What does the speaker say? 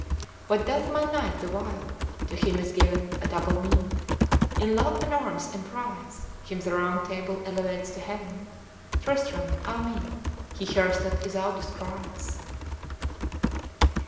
"What doth my knight the while? to him is given A double meed; in love and arms' emprise, Him the Round Table elevates to heaven! Tristram! ah me! he hears not Isoude's cries."